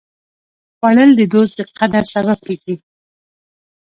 خوړل د دوست د قدر سبب کېږي